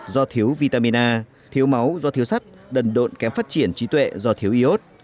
do thiếu vitamin a thiếu máu do thiếu sắt đần độn kém phát triển trí tuệ do thiếu iốt